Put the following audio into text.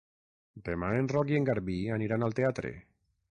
Demà en Roc i en Garbí aniran al teatre.